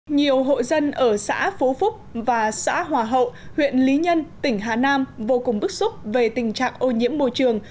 nhiều hộ dân ở xã phú phúc và xã hòa hậu huyện lý nhân tỉnh hà nam vô cùng bức xúc về tình trạng ô nhiễm môi trường